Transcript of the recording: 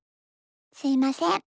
すいません。